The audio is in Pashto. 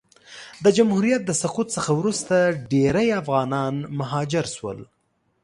د جمهوریت د سقوط څخه وروسته ډېری افغانان مهاجر سول.